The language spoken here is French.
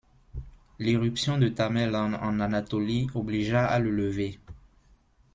L'irruption de Tamerlan en Anatolie obligea à le lever.